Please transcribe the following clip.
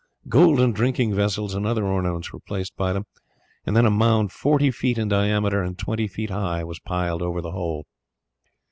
Golden drinking vessels and other ornaments were placed by them, and then a mound forty feet in diameter and twenty feet high was piled over the whole.